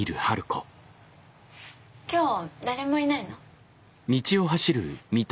今日誰もいないの？